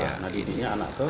nah ini anak ke